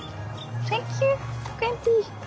サンキュー。